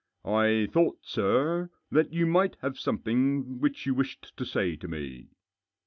" I thought, sir, that you might have something which you wished to say to me."